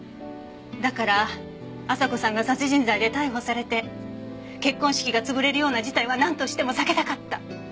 だから朝子さんが殺人罪で逮捕されて結婚式が潰れるような事態はなんとしても避けたかった。